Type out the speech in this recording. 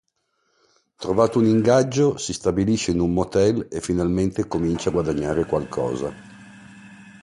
Trovato un ingaggio, si stabilisce in un motel e finalmente comincia a guadagnare qualcosa.